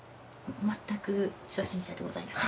全く初心者でございます。